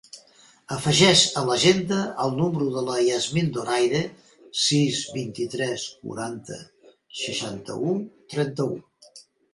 Afegeix a l'agenda el número de la Yasmin Donaire: sis, vint-i-tres, quaranta, seixanta-u, trenta-u.